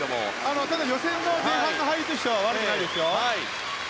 ただ、予選の前半の入りとしては悪くないですよ。